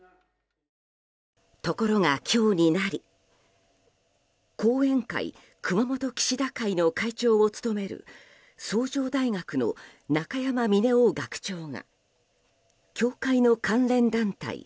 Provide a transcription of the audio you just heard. ところが、今日になり後援会熊本岸田会の会長を務める崇城大学の中山峰男学長が教会の関連団体